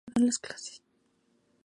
Mantuvo posiciones antifranquistas.